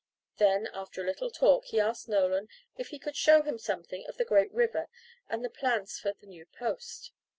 Then after a little talk he asked Nolan if he could show him something of the great river and the plans for the new post.